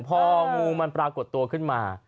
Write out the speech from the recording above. พองูมันปรากฏตัวขึ้นมา